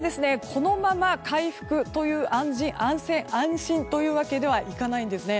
ただ、このまま回復という安心という訳にはいかないんですね。